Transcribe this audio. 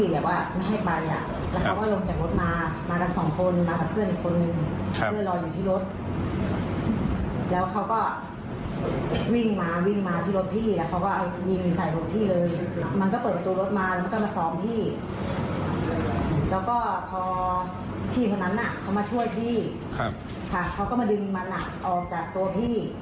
แล้วก็พอพี่คนนั้นเขามาช่วยพี่เขาก็มาดึงมันออกจากตัวพี่